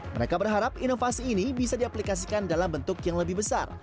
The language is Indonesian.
mereka berharap inovasi ini bisa diaplikasikan dalam bentuk yang lebih besar